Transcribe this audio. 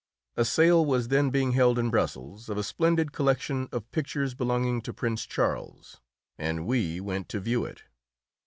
A sale was then being held in Brussels of a splendid collection of pictures belonging to Prince Charles, and we went to view it.